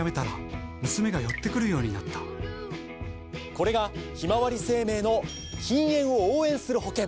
これがひまわり生命の禁煙を応援する保険！